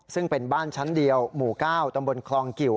ซึ่งเป็นบ้านชั้นเดียวหมู่๙ตำบลคลองกิว